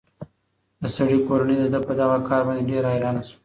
د سړي کورنۍ د ده په دغه کار باندې ډېره حیرانه شوه.